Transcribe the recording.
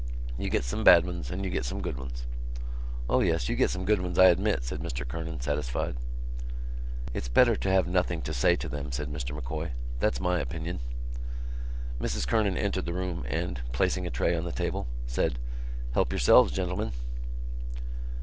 "You get some bad ones and you get some good ones." "O yes, you get some good ones, I admit," said Mr Kernan, satisfied. "It's better to have nothing to say to them," said Mr M'Coy. "That's my opinion!" Mrs Kernan entered the room and, placing a tray on the table, said: "Help yourselves, gentlemen."